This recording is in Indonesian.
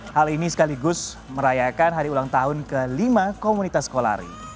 hal ini sekaligus merayakan hari ulang tahun kelima komunitas sekolari